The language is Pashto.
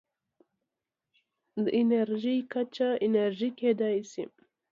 د انرژۍ کچه اندازه کېدای شي.